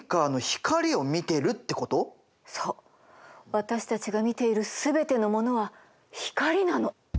私たちが見ている全てのものは光なの。